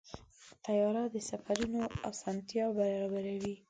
طیاره د سفرونو اسانتیا برابروي.